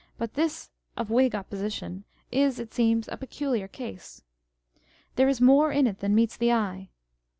But this of Whig Opposition is, it seems, a peculiar case. There is more in it than meets the eye.